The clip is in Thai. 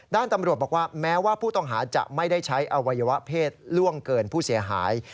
ด้านตำรวจบอกว่าแม้ว่าผู้ต้องหาจะไม่ได้ใช้อวัยวะเพศล่วงเกินผู้เสียหาย